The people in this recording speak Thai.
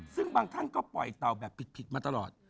ซึ่งบางท่านก็ปล่อยเต่าแบบผิดมาตลอด